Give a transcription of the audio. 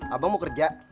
abang mau kerja